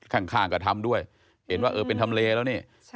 ข้างก็ทำด้วยเห็นว่าเออเป็นทำเลแล้วนี่